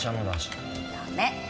ダメ。